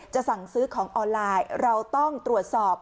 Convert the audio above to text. สั่งซื้อของออนไลน์เราต้องตรวจสอบ